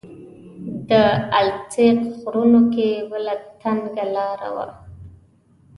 د السیق غرونو کې بله تنګه لاره وه.